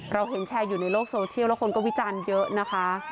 เราเห็นแชร์อยู่ในโลกโซเชียลแล้วคนก็วิจารณ์เยอะนะคะ